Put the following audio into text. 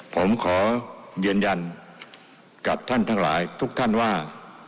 ผมขอยืนยันกับท่านทั้งหลายทุกท่านว่า